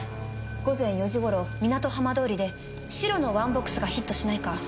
午前４時頃港浜通りで白のワンボックスがヒットしないか。